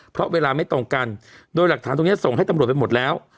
เพราะเวลาไม่ตรงกันโดยหลักฐานตรงนี้ส่งให้ตำรวจไปหมดแล้ว